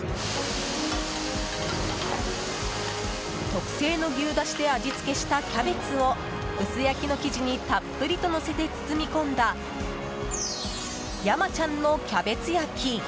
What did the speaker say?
特製の牛だしで味付けしたキャベツを薄焼きの生地にたっぷりとのせて包み込んだ山ちゃんのキャベツ焼き。